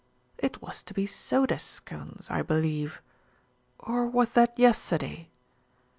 "It was to be soda scones, I believe, or was that yester day?